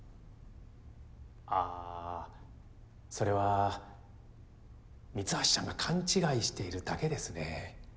ああそれは三橋ちゃんが勘違いしているだけですね。